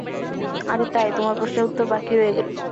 আর তাই, তোমার প্রশ্নের উত্তর বাকিই রয়ে গেলো।